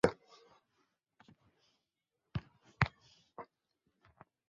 Profesí byl ředitelem Ústředního svazu živností stavebních pro republiku Československou v Praze.